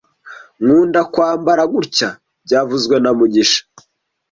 Nkunda kwambara gutya byavuzwe na mugisha